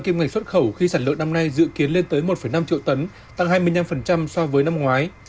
kim ngạch xuất khẩu khi sản lượng năm nay dự kiến lên tới một năm triệu tấn tăng hai mươi năm so với năm ngoái